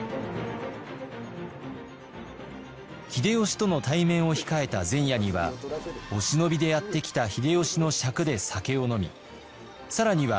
秀吉との対面を控えた前夜にはお忍びでやって来た秀吉の酌で酒を飲み更には秀吉の弟秀長と同じ正三位権